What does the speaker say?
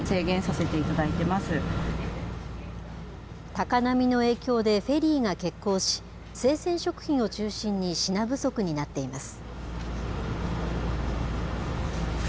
高波の影響でフェリーが欠航し、生鮮食品を中心に品不足になっています。